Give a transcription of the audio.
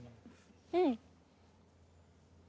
うん。